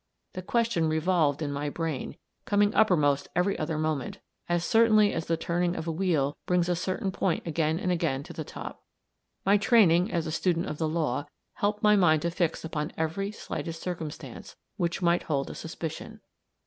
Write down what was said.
The question revolved in my brain, coming uppermost every other moment, as certainly as the turning of a wheel brings a certain point again and again to the top. My training, as a student of the law, helped my mind to fix upon every slightest circumstance which might hold a suspicion.